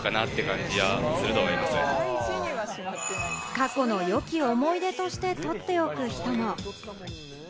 過去の良き思い出としてとっておく人も。